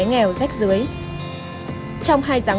bố mẹ con đâu